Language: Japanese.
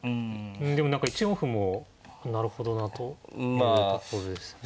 でも何か１四歩もなるほどなというとこですね。